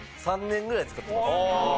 ３年ぐらい使ってます。